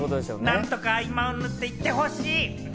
何とか合間を縫っていってほしい。